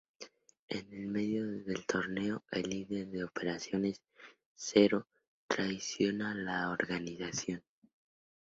En el medio del torneo, el líder de operaciones, Zero, traiciona a la organización.